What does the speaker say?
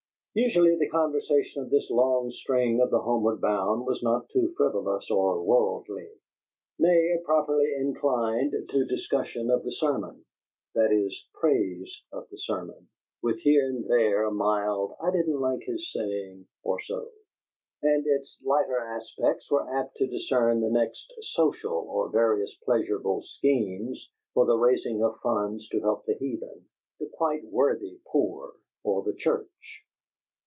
Usually the conversation of this long string of the homeward bound was not too frivolous or worldly; nay, it properly inclined to discussion of the sermon; that is, praise of the sermon, with here and there a mild "I didn't like his saying" or so; and its lighter aspects were apt to concern the next "Social," or various pleasurable schemes for the raising of funds to help the heathen, the quite worthy poor, or the church.